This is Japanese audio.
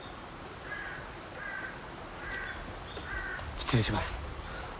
失礼します。